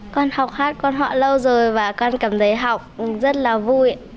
con học hát quan họ lâu rồi và con cảm thấy học rất lâu